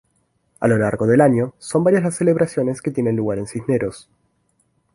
A lo largo del año son varias las celebraciones que tienen lugar en Cisneros.